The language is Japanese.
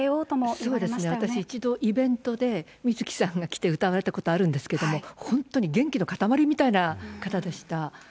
そうですね、私、一度イベントで水木さんが来て歌われたことがあるんですけれども、本当に元気のかたまりみたいな方でした。